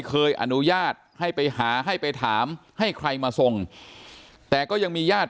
เคยอนุญาตให้ไปหาให้ไปถามให้ใครมาส่งแต่ก็ยังมีญาติ